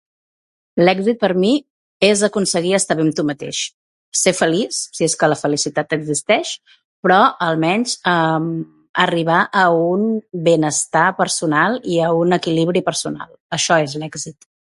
L'èxit per mi és aconseguir estar bé amb tu mateix. Ser feliç, si és que la felicitat existeix, però, almenys, mm..., arribar a un benestar personal i a un equilibri personal. Això és l'èxit.